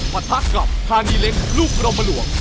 ประทักษ์กลับธานีเล็กลูกกระดอมมะหลวง